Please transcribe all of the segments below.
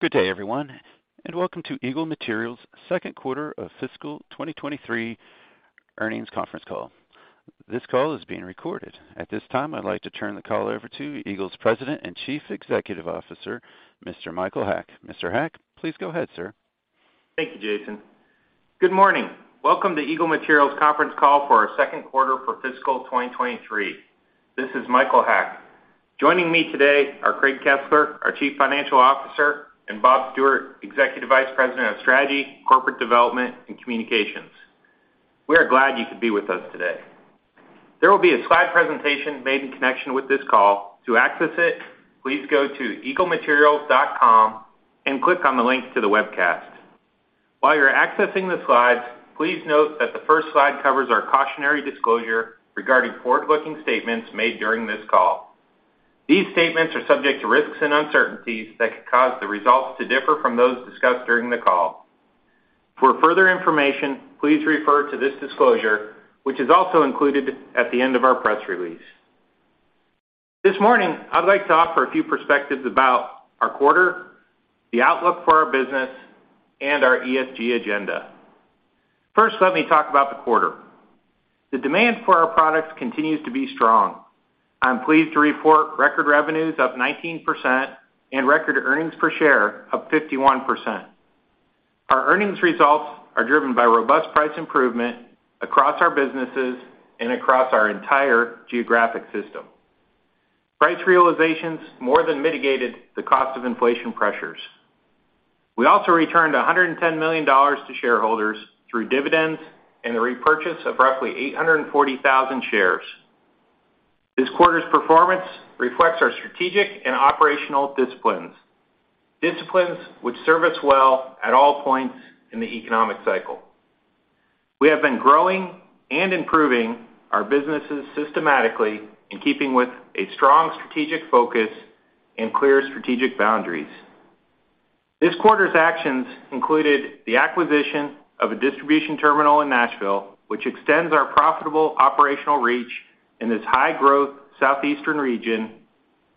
Good day, everyone, and welcome to Eagle Materials second quarter of fiscal 2023 earnings conference call. This call is being recorded. At this time, I'd like to turn the call over to Eagle's President and Chief Executive Officer, Mr. Michael Haack. Mr. Haack, please go ahead, sir. Thank you, Jason. Good morning. Welcome to Eagle Materials conference call for our second quarter for fiscal 2023. This is Michael Haack. Joining me today are Craig Kesler, our Chief Financial Officer, and Bob Stewart, Executive Vice President of Strategy, Corporate Development, and Communications. We are glad you could be with us today. There will be a slide presentation made in connection with this call. To access it, please go to eaglematerials.com and click on the link to the webcast. While you're accessing the slides, please note that the first slide covers our cautionary disclosure regarding forward-looking statements made during this call. These statements are subject to risks and uncertainties that could cause the results to differ from those discussed during the call. For further information, please refer to this disclosure, which is also included at the end of our press release. This morning, I'd like to offer a few perspectives about our quarter, the outlook for our business, and our ESG agenda. First, let me talk about the quarter. The demand for our products continues to be strong. I'm pleased to report record revenues up 19% and record earnings per share up 51%. Our earnings results are driven by robust price improvement across our businesses and across our entire geographic system. Price realizations more than mitigated the cost of inflation pressures. We also returned $110 million to shareholders through dividends and the repurchase of roughly 840,000 shares. This quarter's performance reflects our strategic and operational disciplines which serve us well at all points in the economic cycle. We have been growing and improving our businesses systematically in keeping with a strong strategic focus and clear strategic boundaries. This quarter's actions included the acquisition of a distribution terminal in Nashville, which extends our profitable operational reach in this high-growth Southeastern region,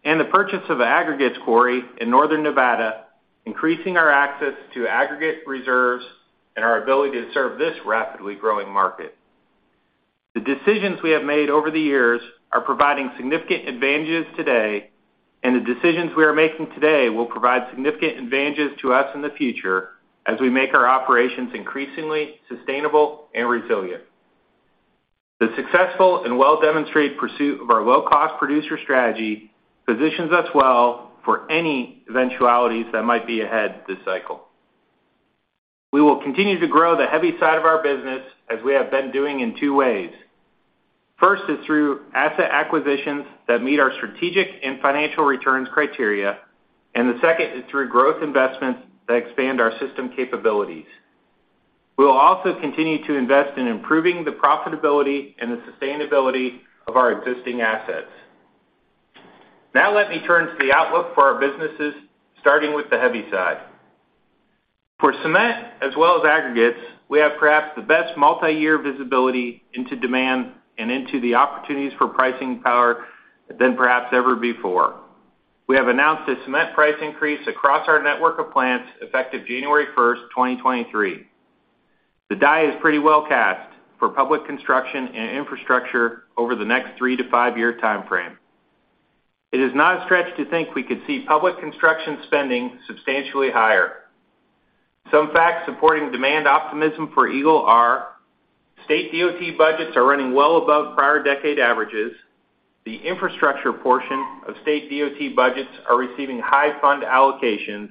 and the purchase of an aggregates quarry in Northern Nevada, increasing our access to aggregate reserves and our ability to serve this rapidly growing market. The decisions we have made over the years are providing significant advantages today, and the decisions we are making today will provide significant advantages to us in the future as we make our operations increasingly sustainable and resilient. The successful and well-demonstrated pursuit of our low-cost producer strategy positions us well for any eventualities that might be ahead this cycle. We will continue to grow the heavy side of our business as we have been doing in two ways. First is through asset acquisitions that meet our strategic and financial returns criteria, and the second is through growth investments that expand our system capabilities. We will also continue to invest in improving the profitability and the sustainability of our existing assets. Now let me turn to the outlook for our businesses, starting with the heavy side. For cement as well as aggregates, we have perhaps the best multiyear visibility into demand and into the opportunities for pricing power than perhaps ever before. We have announced a cement price increase across our network of plants effective January 1st, 2023. The die is pretty well cast for public construction and infrastructure over the next three- to five-year timeframe. It is not a stretch to think we could see public construction spending substantially higher. Some facts supporting demand optimism for Eagle are state DOT budgets are running well above prior decade averages, the infrastructure portion of state DOT budgets are receiving high fund allocations,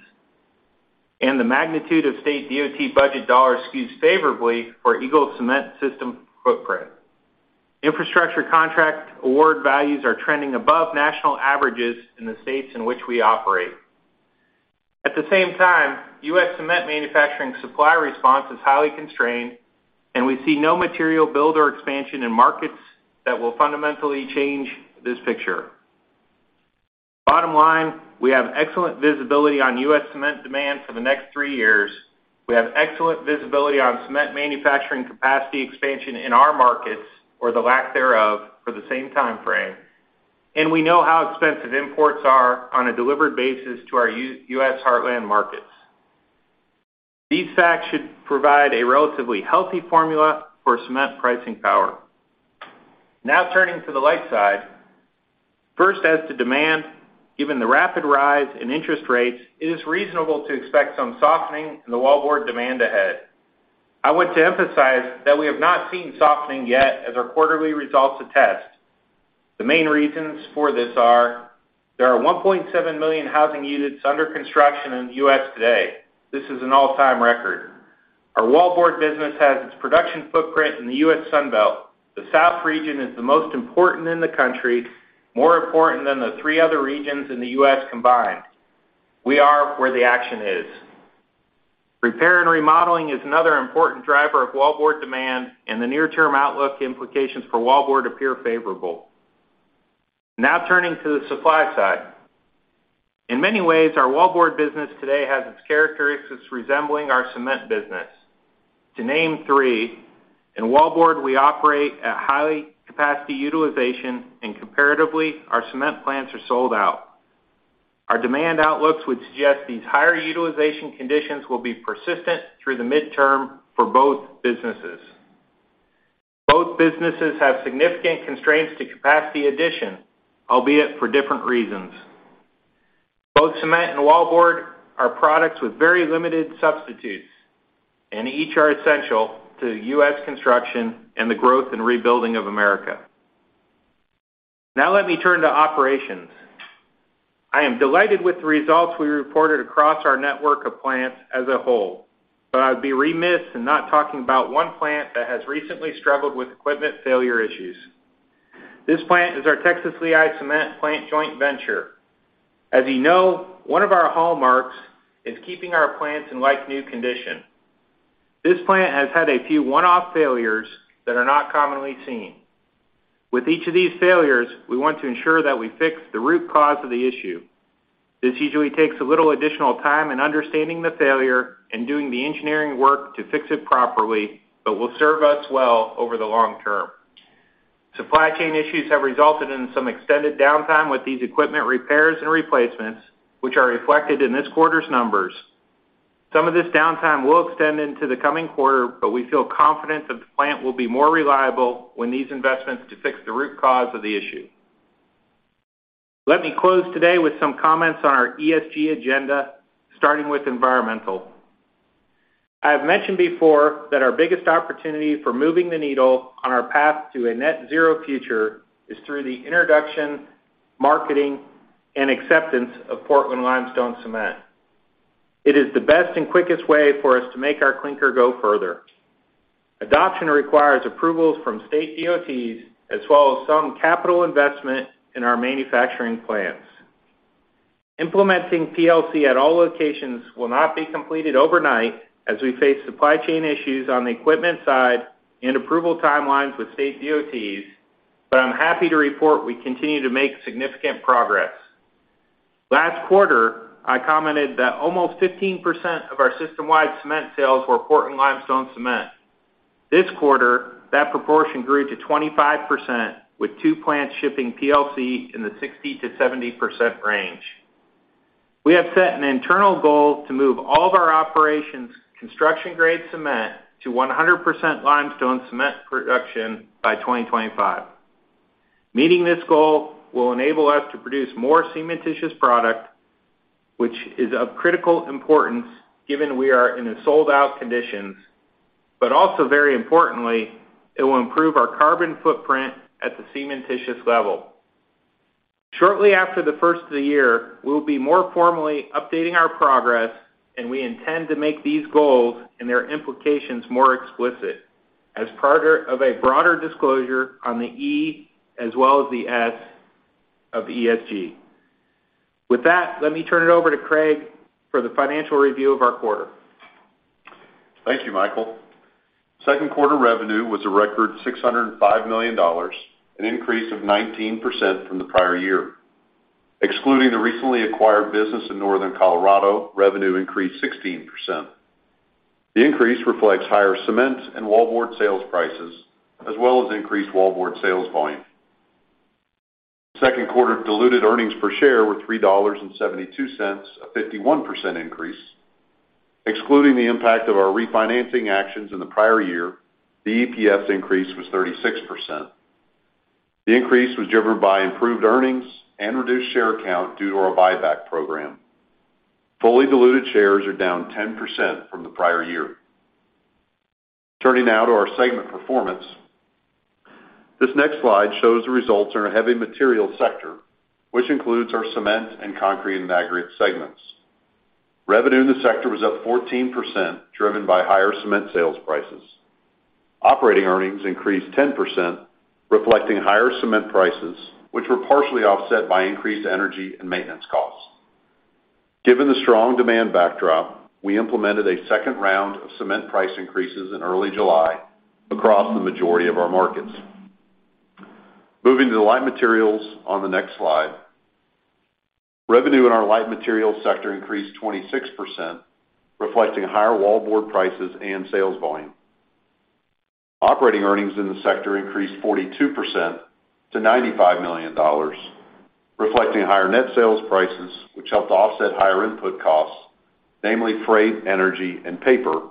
and the magnitude of state DOT budget dollars skews favorably for Eagle Cement system footprint. Infrastructure contract award values are trending above national averages in the states in which we operate. At the same time, U.S. cement manufacturing supply response is highly constrained, and we see no material build or expansion in markets that will fundamentally change this picture. Bottom line, we have excellent visibility on U.S. cement demand for the next three years. We have excellent visibility on cement manufacturing capacity expansion in our markets, or the lack thereof, for the same timeframe, and we know how expensive imports are on a delivered basis to our U.S. heartland markets. These facts should provide a relatively healthy formula for cement pricing power. Now turning to the light side. First, as to demand, given the rapid rise in interest rates, it is reasonable to expect some softening in the wallboard demand ahead. I want to emphasize that we have not seen softening yet as our quarterly results attest. The main reasons for this are there are 1.7 million housing units under construction in the U.S. today. This is an all-time record. Our wallboard business has its production footprint in the U.S. Sun Belt. The South region is the most important in the country, more important than the three other regions in the U.S. combined. We are where the action is. Repair and remodeling is another important driver of wallboard demand, and the near-term outlook implications for wallboard appear favorable. Now turning to the supply side. In many ways, our wallboard business today has its characteristics resembling our cement business. To name three, in wallboard, we operate at high capacity utilization and comparatively, our cement plants are sold out. Our demand outlooks would suggest these higher utilization conditions will be persistent through the midterm for both businesses. Both businesses have significant constraints to capacity addition, albeit for different reasons. Both cement and wallboard are products with very limited substitutes, and each are essential to U.S. construction and the growth and rebuilding of America. Now let me turn to operations. I am delighted with the results we reported across our network of plants as a whole, but I'd be remiss in not talking about one plant that has recently struggled with equipment failure issues. This plant is our Texas Lehigh Cement Company LP joint venture. As you know, one of our hallmarks is keeping our plants in like-new condition. This plant has had a few one-off failures that are not commonly seen. With each of these failures, we want to ensure that we fix the root cause of the issue. This usually takes a little additional time in understanding the failure and doing the engineering work to fix it properly, but will serve us well over the long term. Supply chain issues have resulted in some extended downtime with these equipment repairs and replacements, which are reflected in this quarter's numbers. Some of this downtime will extend into the coming quarter, but we feel confident that the plant will be more reliable when these investments to fix the root cause of the issue. Let me close today with some comments on our ESG agenda, starting with environmental. I have mentioned before that our biggest opportunity for moving the needle on our path to a net zero future is through the introduction, marketing, and acceptance of Portland limestone cement. It is the best and quickest way for us to make our clinker go further. Adoption requires approvals from state DOTs, as well as some capital investment in our manufacturing plants. Implementing PLC at all locations will not be completed overnight as we face supply chain issues on the equipment side and approval timelines with state DOTs, but I'm happy to report we continue to make significant progress. Last quarter, I commented that almost 15% of our system-wide cement sales were Portland limestone cement. This quarter, that proportion grew to 25%, with two plants shipping PLC in the 60%-70% range. We have set an internal goal to move all of our operations construction-grade cement to 100% limestone cement production by 2025. Meeting this goal will enable us to produce more cementitious product, which is of critical importance given we are in a sold-out condition, but also very importantly, it will improve our carbon footprint at the cementitious level. Shortly after the first of the year, we'll be more formally updating our progress, and we intend to make these goals and their implications more explicit as part of a broader disclosure on the E as well as the S of ESG. With that, let me turn it over to Craig for the financial review of our quarter. Thank you, Michael. Second quarter revenue was a record $605 million, an increase of 19% from the prior year. Excluding the recently acquired business in northern Colorado, revenue increased 16%. The increase reflects higher cement and wallboard sales prices, as well as increased wallboard sales volume. Second quarter diluted earnings per share were $3.72, a 51% increase. Excluding the impact of our refinancing actions in the prior year, the EPS increase was 36%. The increase was driven by improved earnings and reduced share count due to our buyback program. Fully diluted shares are down 10% from the prior year. Turning now to our segment performance. This next slide shows the results in our heavy materials sector, which includes our cement and concrete and aggregates segments. Revenue in the sector was up 14%, driven by higher cement sales prices. Operating earnings increased 10%, reflecting higher cement prices, which were partially offset by increased energy and maintenance costs. Given the strong demand backdrop, we implemented a second round of cement price increases in early July across the majority of our markets. Moving to the light materials on the next slide. Revenue in our light materials sector increased 26%, reflecting higher wallboard prices and sales volume. Operating earnings in the sector increased 42% to $95 million, reflecting higher net sales prices, which helped to offset higher input costs, namely freight, energy, and paper.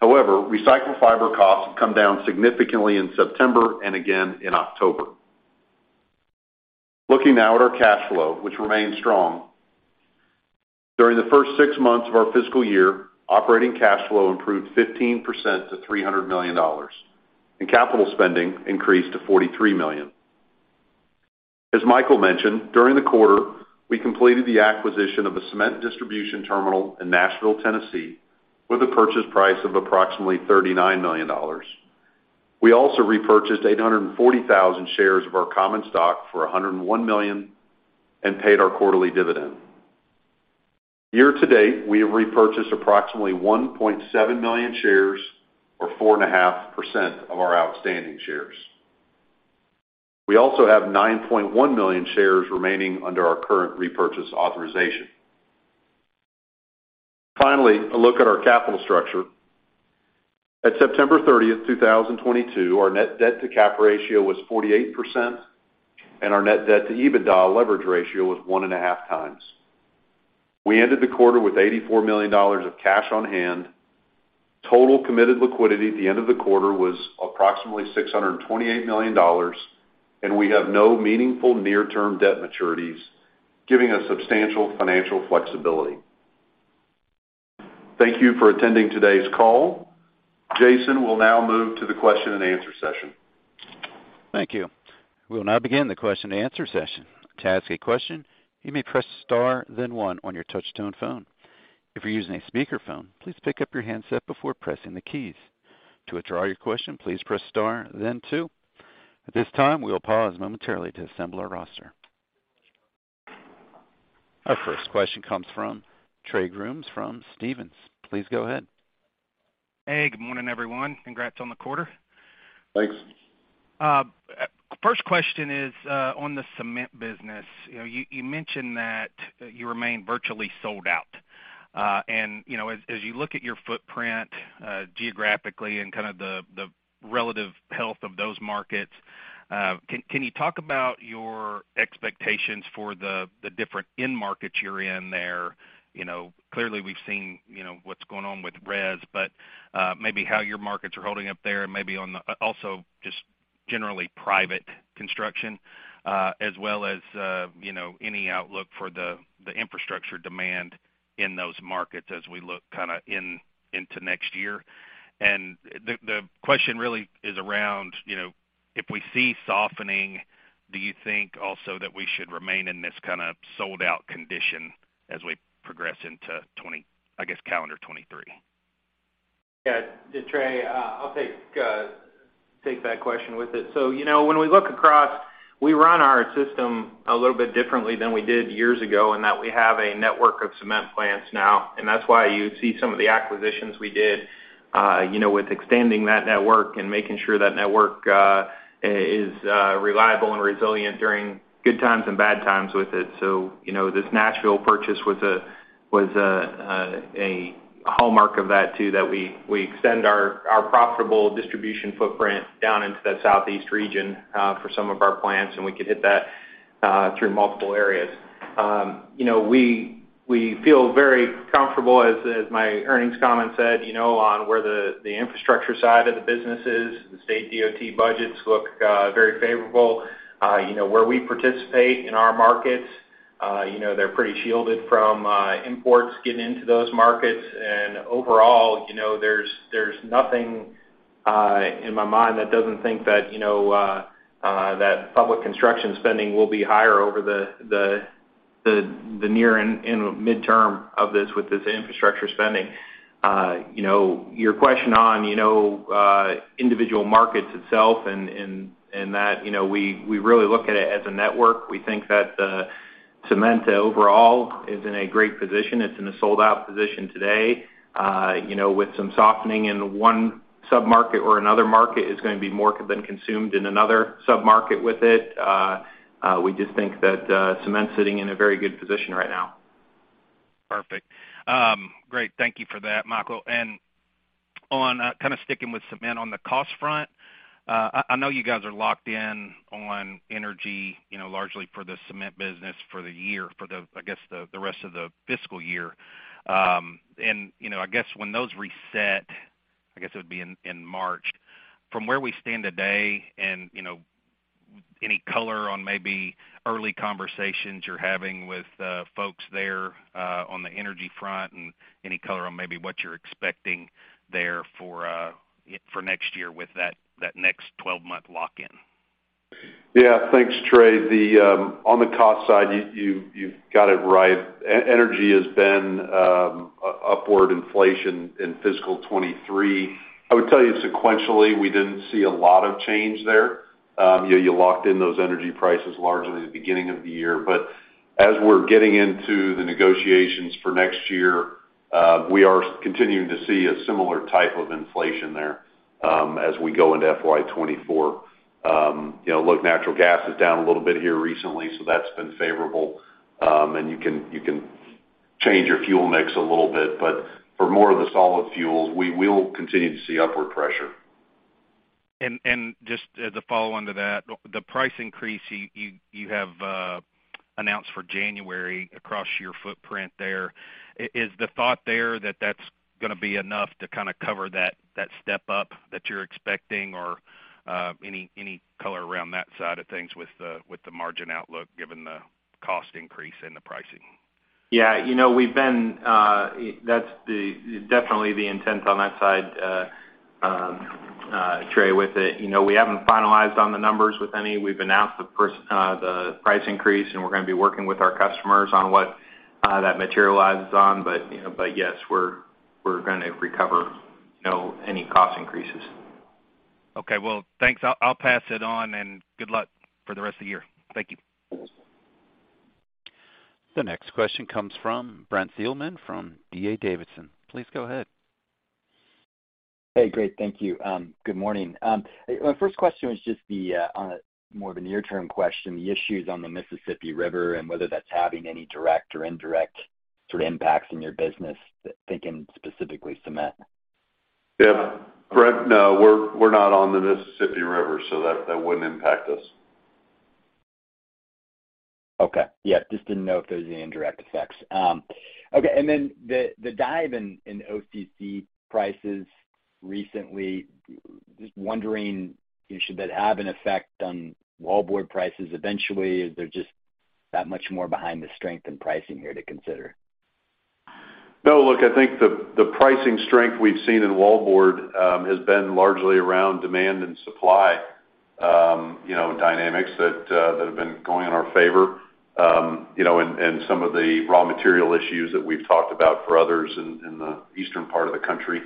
However, recycled fiber costs have come down significantly in September and again in October. Looking now at our cash flow, which remains strong. During the first six months of our fiscal year, operating cash flow improved 15% to $300 million, and capital spending increased to $43 million. As Michael mentioned, during the quarter, we completed the acquisition of a cement distribution terminal in Nashville, Tennessee, with a purchase price of approximately $39 million. We also repurchased 840,000 shares of our common stock for $101 million and paid our quarterly dividend. Year-to-date, we have repurchased approximately 1.7 million shares or 4.5% of our outstanding shares. We also have 9.1 million shares remaining under our current repurchase authorization. Finally, a look at our capital structure. At September 30th, 2022, our net debt to cap ratio was 48%, and our net debt to EBITDA leverage ratio was 1.5x. We ended the quarter with $84 million of cash on hand. Total committed liquidity at the end of the quarter was approximately $628 million, and we have no meaningful near term debt maturities, giving us substantial financial flexibility. Thank you for attending today's call. Jason will now move to the question and answer session. Thank you. We'll now begin the question and answer session. To ask a question, you may press star then one on your touchtone phone. If you're using a speakerphone, please pick up your handset before pressing the keys. To withdraw your question, please press star then two. At this time, we will pause momentarily to assemble our roster. Our first question comes from Trey Grooms from Stephens. Please go ahead. Hey, good morning, everyone. Congrats on the quarter. Thanks. First question is on the cement business. You know, you mentioned that you remain virtually sold out, and you know, as you look at your footprint geographically and the relative health of those markets, can you talk about your expectations for the different end markets you're in there? You know, clearly we've seen, you know, what's going on with [res], but maybe how your markets are holding up there and maybe also just generally private construction, as well as, you know, any outlook for the infrastructure demand in those markets as we look into next year. The question really is around, you know, if we see softening, do you think also that we should remain in this sold out condition as we progress into 2020, I guess, calendar 2023? Yeah. Trey, I'll take that question with it. You know, when we look across, we run our system a little bit differently than we did years ago, in that we have a network of cement plants now, and that's why you see some of the acquisitions we did, you know, with extending that network and making sure that network is reliable and resilient during good times and bad times with it. You know, this Nashville purchase was a hallmark of that, too, that we extend our profitable distribution footprint down into that Southeast region for some of our plants, and we could hit that through multiple areas. You know, we feel very comfortable, as my earnings comment said, you know, on where the infrastructure side of the business is. The state DOT budgets look very favorable. You know, where we participate in our markets, you know, they're pretty shielded from imports getting into those markets. Overall, you know, there's nothing in my mind that doesn't think that you know that public construction spending will be higher over the near and midterm of this with this infrastructure spending. You know, your question on individual markets itself and that you know, we really look at it as a network. We think that cement overall is in a great position. It's in a sold-out position today. You know, with some softening in one sub-market or another market is gonna be more than consumed in another sub-market with it. We just think that cement's sitting in a very good position right now. Perfect. Great. Thank you for that, Michael. On sticking with cement on the cost front, I know you guys are locked in on energy, you know, largely for the cement business for the year, for the rest of the fiscal year. You know, I guess when those reset, I guess it would be in March, from where we stand today and, you know, any color on maybe early conversations you're having with folks there on the energy front and any color on maybe what you're expecting there for next year with that 12-month lock-in. Yeah. Thanks, Trey. On the cost side, you've got it right. Energy has been upward inflation in fiscal 2023. I would tell you sequentially, we didn't see a lot of change there. You locked in those energy prices largely at the beginning of the year. As we're getting into the negotiations for next year, we are continuing to see a similar type of inflation there, as we go into FY 2024. You know, look, natural gas is down a little bit here recently, so that's been favorable. You can change your fuel mix a little bit, but for more of the solid fuels, we will continue to see upward pressure. Just as a follow-on to that, the price increase you have announced for January across your footprint there, is the thought there that that's gonna be enough to cover that step up that you're expecting? Or, any color around that side of things with the margin outlook given the cost increase and the pricing? Yeah. You know, that's definitely the intent on that side, Trey, with it. You know, we haven't finalized on the numbers with any. We've announced the first price increase, and we're gonna be working with our customers on what that materializes on. You know, but yes, we're gonna recover, you know, any cost increases. Okay. Well, thanks. I'll pass it on, and good luck for the rest of the year. Thank you. The next question comes from Brent Thielman from D.A. Davidson. Please go ahead. Hey, great. Thank you. Good morning. My first question was just the, on a more of a near-term question, the issues on the Mississippi River and whether that's having any direct or indirect sort of impacts in your business, thinking specifically cement. Yeah, Brent, no, we're not on the Mississippi River, so that wouldn't impact us. Okay. Yeah, just didn't know if there was any indirect effects. Okay. The dive in OCC prices recently, just wondering, you know, should that have an effect on wallboard prices eventually, or is there just that much more behind the strength in pricing here to consider? No, look, I think the pricing strength we've seen in wallboard has been largely around demand and supply, you know, dynamics that have been going in our favor, you know, and some of the raw material issues that we've talked about for others in the eastern part of the country.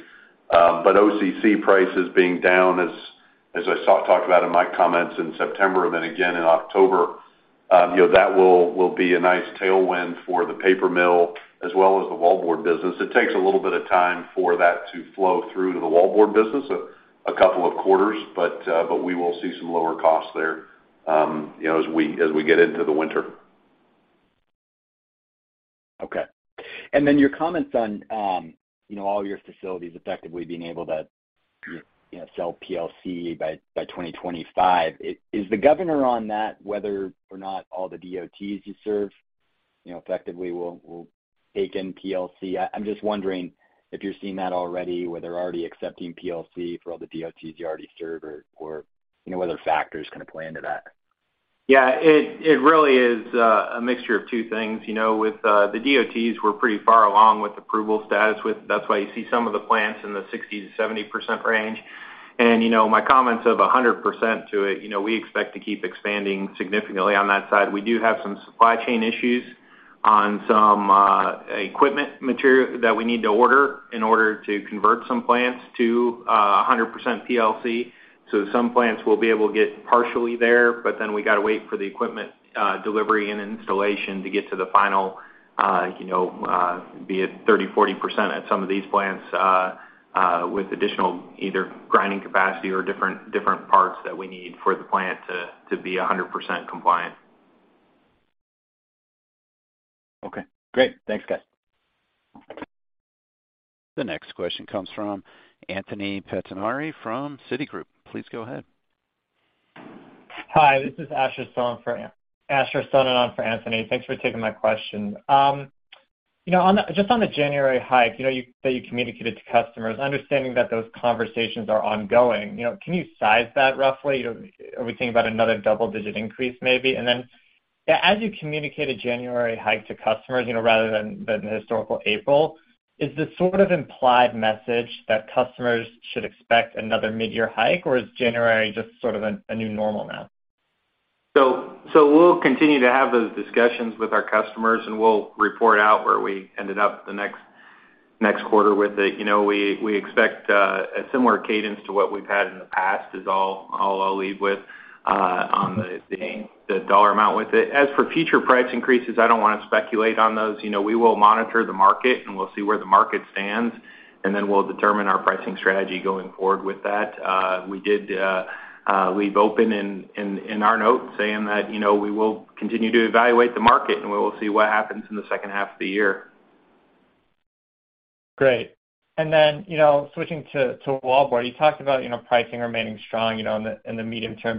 OCC prices being down, as I talked about in my comments in September and then again in October, you know, that will be a nice tailwind for the paper mill as well as the wallboard business. It takes a little bit of time for that to flow through to the wallboard business, a couple of quarters, but we will see some lower costs there, you know, as we get into the winter. Okay. And then your comments on, you know, all your facilities effectively being able to, you know, sell PLC by 2025. Is the governor on that whether or not all the DOTs you serve, you know, effectively will take in PLC? I'm just wondering if you're seeing that already, where they're already accepting PLC for all the DOTs you already serve or, you know, what other factors kind of play into that. Yeah. It really is a mixture of two things. You know, with the DOTs, we're pretty far along with approval status. That's why you see some of the plants in the 60%-70% range. You know, my comments of 100% to it, you know, we expect to keep expanding significantly on that side. We do have some supply chain issues on some equipment material that we need to order in order to convert some plants to 100% PLC. Some plants we'll be able to get partially there, but then we gotta wait for the equipment, delivery and installation to get to the final, you know, be it 30, 40% at some of these plants, with additional either grinding capacity or different parts that we need for the plant to be 100% compliant. Okay, great. Thanks, guys. The next question comes from Anthony Pettinari from Citigroup. Please go ahead. Hi, this is Asher Sohnen, on for Anthony Pettinari. Thanks for taking my question. You know, just on the January hike, you know, that you communicated to customers, understanding that those conversations are ongoing, you know, can you size that roughly? You know, are we thinking about another double-digit increase maybe? As you communicate a January hike to customers, you know, rather than the historical April, is the sort of implied message that customers should expect another midyear hike, or is January just sort of a new normal now? We'll continue to have those discussions with our customers, and we'll report out where we ended up the next quarter with it. You know, we expect a similar cadence to what we've had in the past is all I'll lead with on the dollar amount with it. As for future price increases, I don't wanna speculate on those. You know, we will monitor the market, and we'll see where the market stands, and then we'll determine our pricing strategy going forward with that. We did leave open in our notes saying that, you know, we will continue to evaluate the market, and we will see what happens in the second half of the year. Great. You know, switching to wallboard, you talked about, you know, pricing remaining strong, you know, in the medium term.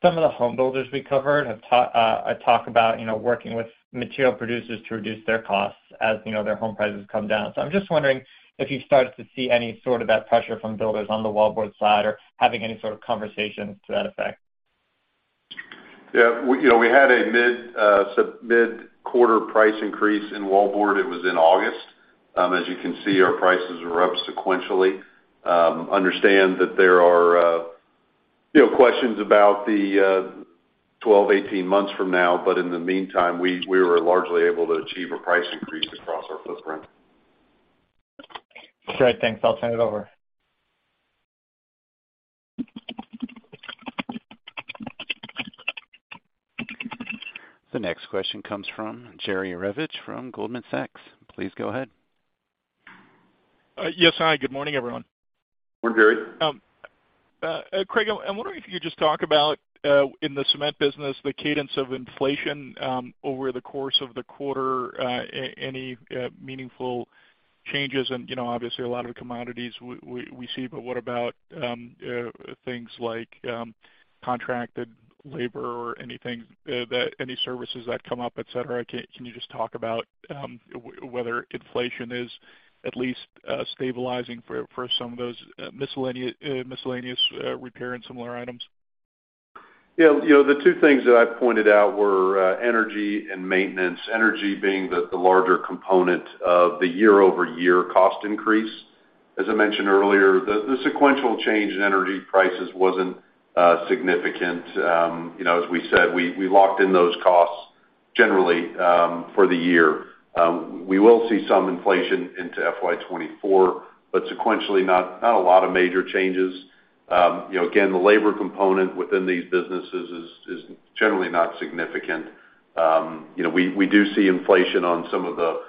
Some of the homebuilders we covered have talk about, you know, working with material producers to reduce their costs as, you know, their home prices come down. I'm just wondering if you've started to see any sort of that pressure from builders on the wallboard side or having any sort of conversations to that effect. Yeah. You know, we had a mid-quarter price increase in wallboard. It was in August. As you can see, our prices are up sequentially. Understand that there are, you know, questions about the 12, 18 months from now, but in the meantime, we were largely able to achieve a price increase across our footprint. Great. Thanks. I'll turn it over. The next question comes from Jerry Revich from Goldman Sachs. Please go ahead. Yes. Hi, good morning, everyone. Morning, Jerry. Craig, I'm wondering if you could just talk about, in the cement business, the cadence of inflation over the course of the quarter, any meaningful changes. You know, obviously, a lot of the commodities we see, but what about things like contracted labor or anything, that any services that come up, et cetera? Can you just talk about whether inflation is at least stabilizing for some of those miscellaneous repair and similar items? Yeah. You know, the two things that I pointed out were energy and maintenance. Energy being the larger component of the year-over-year cost increase. As I mentioned earlier, the sequential change in energy prices wasn't significant. You know, as we said, we locked in those costs generally for the year. We will see some inflation into FY 2024, but sequentially, not a lot of major changes. You know, again, the labor component within these businesses is generally not significant. You know, we do see inflation on some of the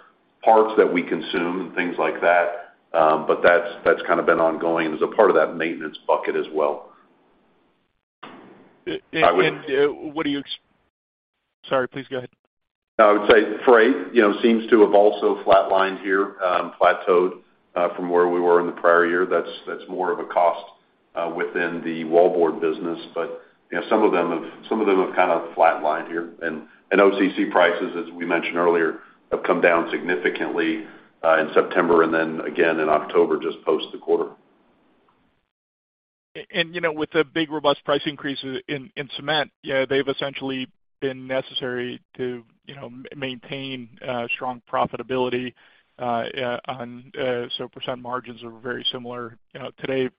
parts that we consume and things like that. That's been ongoing as a part of that maintenance bucket as well. Sorry, please go ahead. I would say freight, you know, seems to have also flatlined here, plateaued, from where we were in the prior year. That's more of a cost within the wallboard business. You know, some of them have kind of flatlined here. OCC prices, as we mentioned earlier, have come down significantly in September and then again in October, just post the quarter. You know, with the big robust price increases in cement, you know, they've essentially been necessary to, you know, maintain strong profitability on 50% margins are very similar, you know, today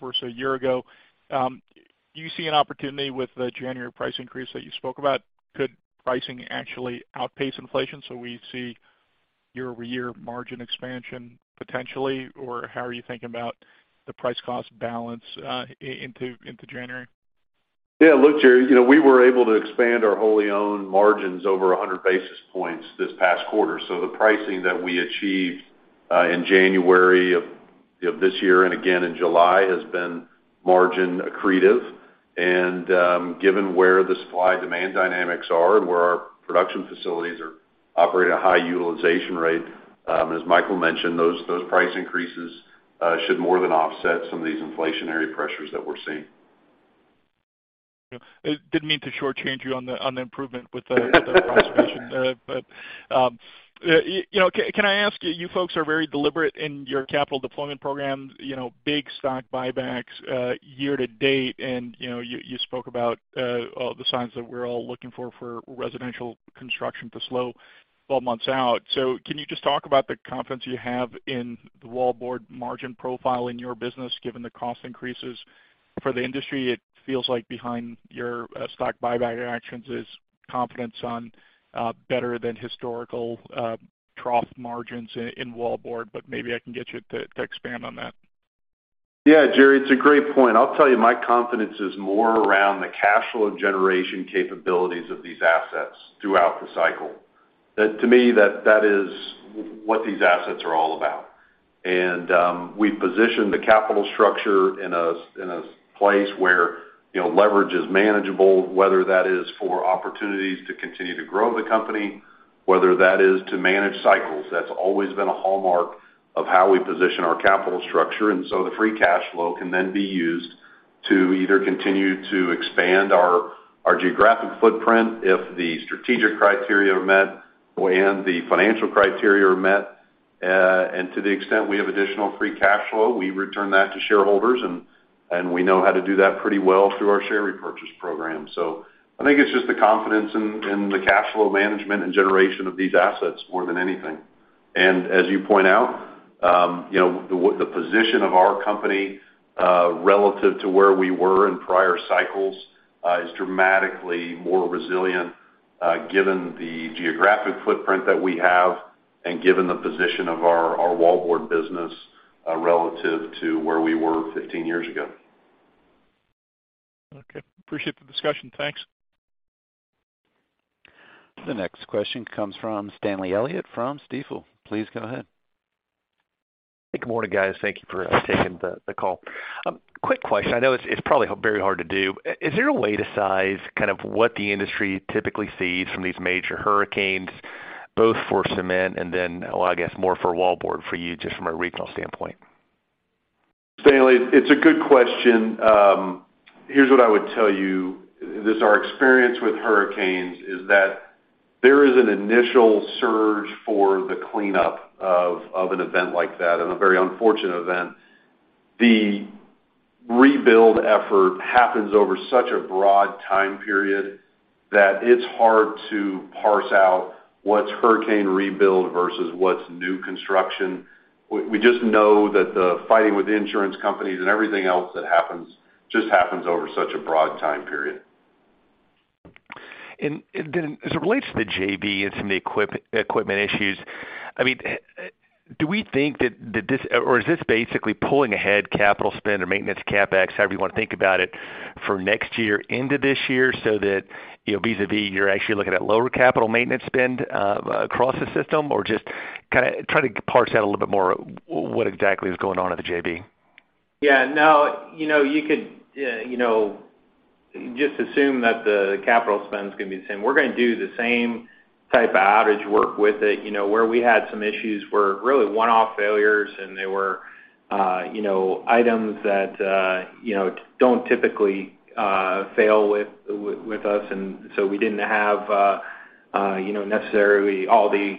versus a year ago. Do you see an opportunity with the January price increase that you spoke about? Could pricing actually outpace inflation, so we see year-over-year margin expansion potentially? Or how are you thinking about the price-cost balance into January? Yeah. Look, Jerry, you know, we were able to expand our wholly owned margins over 100 basis points this past quarter. The pricing that we achieved in January of this year and again in July has been margin accretive. And given where the supply-demand dynamics are and where our production facilities are operating a high utilization rate, as Michael mentioned, those price increases should more than offset some of these inflationary pressures that we're seeing. Yeah. Didn't mean to shortchange you on the improvement with the price revision there. Can I ask you folks are very deliberate in your capital deployment program, big stock buybacks year-to-date. You spoke about the signs that we're all looking for for residential construction to slow 12 months out. Can you just talk about the confidence you have in the wallboard margin profile in your business, given the cost increases for the industry? It feels like behind your stock buyback actions is confidence on better than historical trough margins in wallboard, but maybe I can get you to expand on that. Yeah, Jerry, it's a great point. I'll tell you, my confidence is more around the cash flow generation capabilities of these assets throughout the cycle. That to me, that is what these assets are all about. We've positioned the capital structure in a place where, you know, leverage is manageable, whether that is for opportunities to continue to grow the company, whether that is to manage cycles. That's always been a hallmark of how we position our capital structure. The free cash flow can then be used to either continue to expand our geographic footprint if the strategic criteria are met and the financial criteria are met. To the extent we have additional free cash flow, we return that to shareholders, and we know how to do that pretty well through our share repurchase program. So I think it's just the confidence in the cash flow management and generation of these assets more than anything. And as you point out, you know, the position of our company relative to where we were in prior cycles is dramatically more resilient, given the geographic footprint that we have and given the position of our wallboard business relative to where we were 15 years ago. Okay. Appreciate the discussion. Thanks. The next question comes from Stanley Elliott from Stifel. Please go ahead. Good morning, guys. Thank you for taking the call. Quick question. I know it's probably very hard to do. Is there a way to size kind of what the industry typically sees from these major hurricanes, both for cement and then, well, I guess more for wallboard for you, just from a regional standpoint? Stanley, it's a good question. Here's what I would tell you is our experience with hurricanes is that there is an initial surge for the cleanup of an event like that, and a very unfortunate event. The rebuild effort happens over such a broad time period that it's hard to parse out what's hurricane rebuild versus what's new construction. We just know that the fighting with insurance companies and everything else that happens just happens over such a broad time period. Then as it relates to the JV and some of the equipment issues, I mean, do we think that this or is this basically pulling ahead capital spend or maintenance CapEx, however you wanna think about it, for next year into this year so that, you know, vis-à-vis, you're actually looking at lower capital maintenance spend across the system? Or just try to parse out a little bit more what exactly is going on at the JV. Yeah, no, you know, you could, you know, just assume that the capital spend is gonna be the same. We're gonna do the same type of outage work with it. You know, where we had some issues were really one-off failures, and they were, you know, items that, you know, don't typically fail with us, and so we didn't have, you know, necessarily all the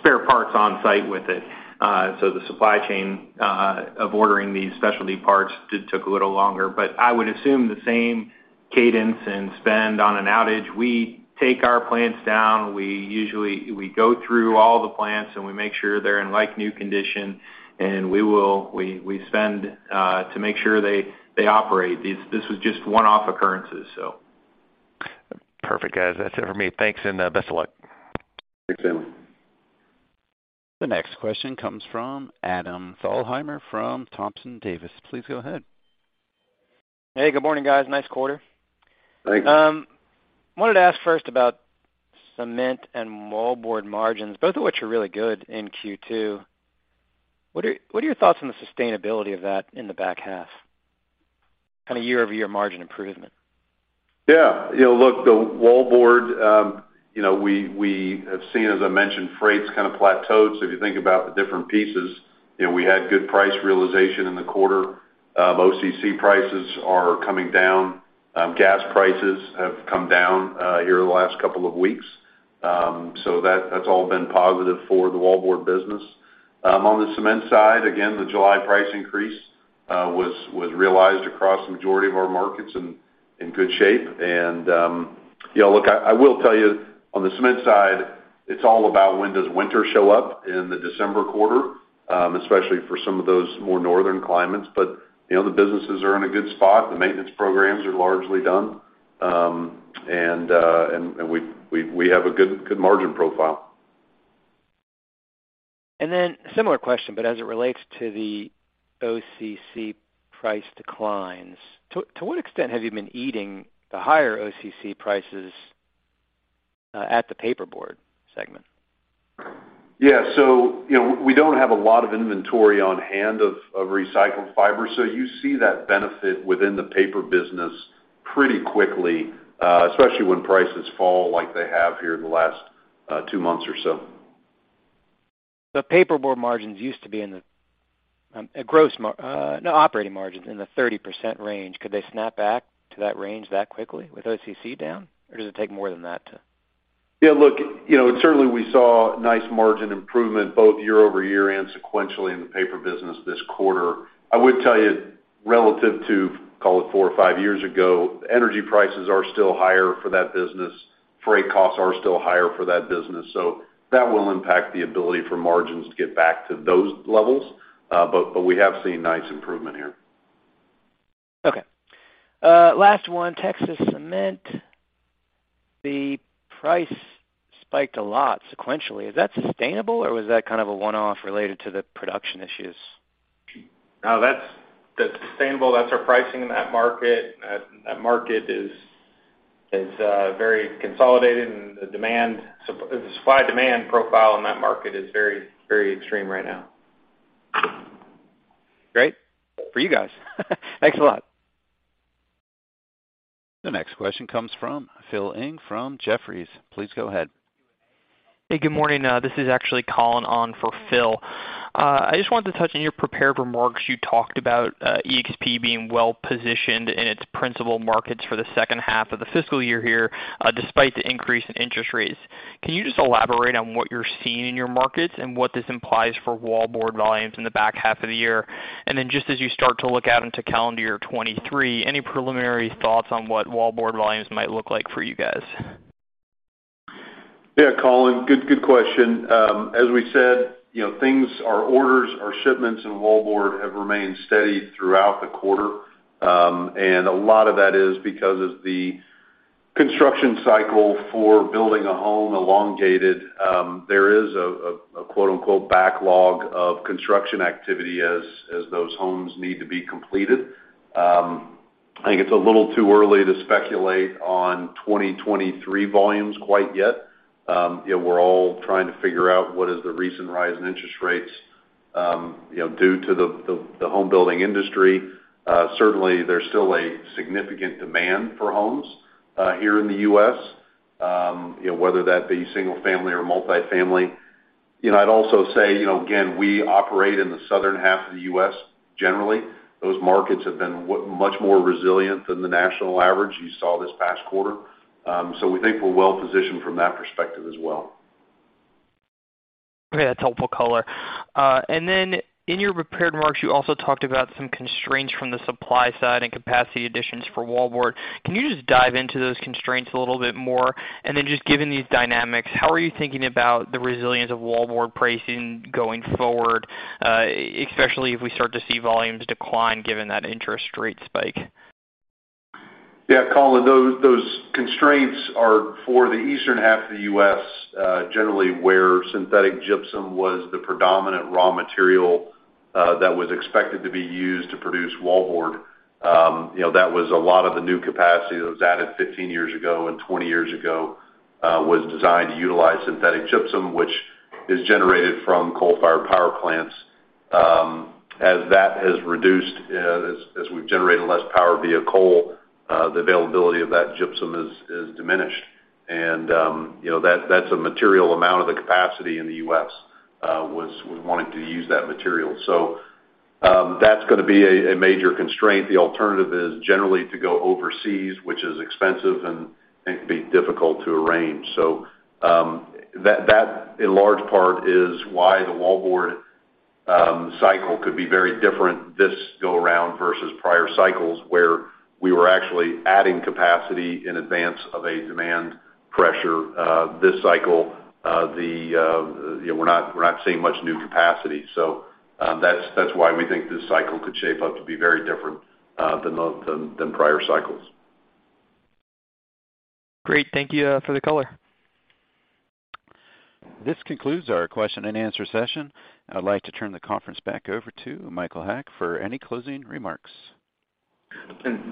spare parts on site with it. So the supply chain of ordering these specialty parts did took a little longer. I would assume the same cadence and spend on an outage. We take our plants down. We usually go through all the plants, and we make sure they're in like-new condition, and we spend to make sure they operate. This was just one-off occurrences, so. Perfect, guys. That's it for me. Thanks and, best of luck. Thanks, Stanley. The next question comes from Adam Thalhimer from Thompson Davis & Co. Please go ahead. Hey, good morning, guys. Nice quarter. Thank you. Wanted to ask first about cement and wallboard margins, both of which are really good in Q2. What are your thoughts on the sustainability of that in the back half? Kind of year-over-year margin improvement. Yeah. You know, look, the wallboard, you know, we have seen, as I mentioned, freight's plateaued. So if you think about the different pieces, you know, we had good price realization in the quarter. OCC prices are coming down. Gas prices have come down here the last couple of weeks. So that's all been positive for the wallboard business. On the cement side, again, the July price increase was realized across the majority of our markets in good shape. You know, look, I will tell you on the cement side, it's all about when does winter show up in the December quarter, especially for some of those more northern climates. You know, the businesses are in a good spot. The maintenance programs are largely done. We have a good margin profile. And then similar question, but as it relates to the OCC price declines, to what extent have you been eating the higher OCC prices at the paperboard segment? Yeah. So, you know, we don't have a lot of inventory on hand of recycled fiber, so you see that benefit within the paper business pretty quickly, especially when prices fall like they have here in the last two months or so. The wallboard margins used to be in the operating margins in the 30% range. Could they snap back to that range that quickly with OCC down, or does it take more than that to? Yeah, look, you know, certainly we saw nice margin improvement both year-over-year and sequentially in the wallboard business this quarter. I would tell you relative to, call it four or five years ago, energy prices are still higher for that business, freight costs are still higher for that business. That will impact the ability for margins to get back to those levels, but we have seen nice improvement here. Okay. Last one, Texas Lehigh Cement. The price spiked a lot sequentially. Is that sustainable or was that kind of a one-off related to the production issues? No, that's sustainable. That's our pricing in that market. That market is very consolidated and the supply-demand profile in that market is very, very extreme right now. Great for you guys. Thanks a lot. The next question comes from Phil Ng from Jefferies. Please go ahead. Hey, good morning. This is actually Colin on for Phil. I just wanted to touch on your prepared remarks. You talked about EXP being well-positioned in its principal markets for the second half of the fiscal year here, despite the increase in interest rates. Can you just elaborate on what you're seeing in your markets and what this implies for wallboard volumes in the back half of the year? Just as you start to look out into calendar year 2023, any preliminary thoughts on what wallboard volumes might look like for you guys? Yeah, Colin. Good question. As we said, you know, things, our orders, our shipments in wallboard have remained steady throughout the quarter. A lot of that is because as the construction cycle for building a home elongated, there is a quote-unquote backlog of construction activity as those homes need to be completed. I think it's a little too early to speculate on 2023 volumes quite yet. You know, we're all trying to figure out what is the recent rise in interest rates, you know, due to the home building industry. Certainly there's still a significant demand for homes here in the U.S., you know, whether that be single family or multifamily. You know, I'd also say, you know, again, we operate in the southern half of the U.S. generally. Those markets have been much more resilient than the national average you saw this past quarter. We think we're well positioned from that perspective as well. Okay. That's helpful color. And then in your prepared remarks, you also talked about some constraints from the supply side and capacity additions for wallboard. Can you just dive into those constraints a little bit more? Just given these dynamics, how are you thinking about the resilience of wallboard pricing going forward, especially if we start to see volumes decline given that interest rate spike? Yeah, Colin, those constraints are for the eastern half of the U.S., generally where synthetic gypsum was the predominant raw material that was expected to be used to produce wallboard. You know, that was a lot of the new capacity that was added 15 years ago and 20 years ago was designed to utilize synthetic gypsum, which is generated from coal-fired power plants. As that has reduced, as we've generated less power via coal, the availability of that gypsum is diminished. You know, that's a material amount of the capacity in the U.S. that was wanting to use that material. That's gonna be a major constraint. The alternative is generally to go overseas, which is expensive and can be difficult to arrange. That in large part is why the wallboard cycle could be very different this go around versus prior cycles where we were actually adding capacity in advance of a demand pressure. This cycle, you know, we're not seeing much new capacity. That's why we think this cycle could shape up to be very different than prior cycles. Great. Thank you for the color. This concludes our question and answer session. I'd like to turn the conference back over to Michael Haack for any closing remarks.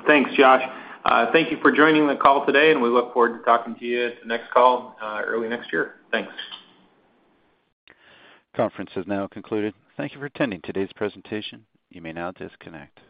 Thanks, Josh. Thank you for joining the call today, and we look forward to talking to you at the next call, early next year. Thanks. Conference has now concluded. Thank you for attending today's presentation. You may now disconnect.